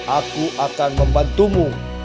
aku akan membantumu